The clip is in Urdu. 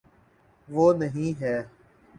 وہ نہیں ہے۔